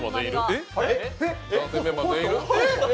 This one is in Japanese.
男性メンバー全員いる？